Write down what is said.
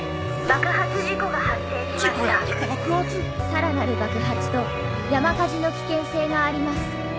爆発⁉さらなる爆発と山火事の危険性があります。